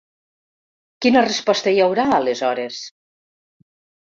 Quina resposta hi haurà, aleshores?